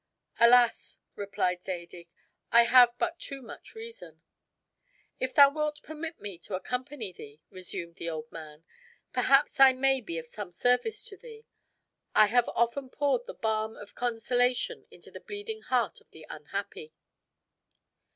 "Alas," replied Zadig, "I have but too much reason." "If thou wilt permit me to accompany thee," resumed the old man, "perhaps I may be of some service to thee. I have often poured the balm of consolation into the bleeding heart of the unhappy."